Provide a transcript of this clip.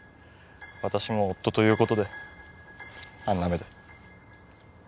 わたしも夫ということであんな目で。